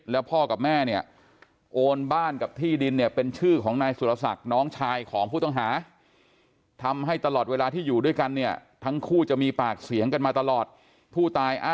แล้วพ่อกับแม่เนี่ย